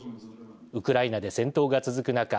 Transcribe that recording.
ウクライナで戦闘が続く中